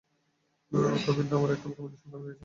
উল্কাপিন্ড, আমরা একটা উল্কাপিন্ডের সন্ধান পেয়েছি!